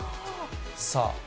さあ。